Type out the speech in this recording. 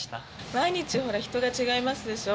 毎日ほら人が違いますでしょ？